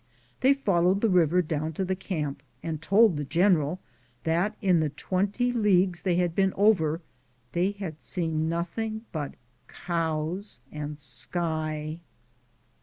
They followed the river down to the camp, and told the general that in the 20 leagues they had been over they had seen nothing but cows and the sky.